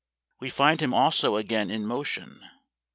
We find him also again in motion.